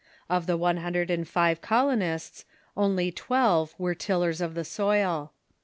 Of the one hundred and five colonists, only twelve were tillers of the soil.